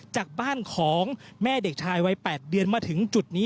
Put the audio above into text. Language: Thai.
จากบ้านของแม่เด็กชายวัย๘เดือนมาถึงจุดนี้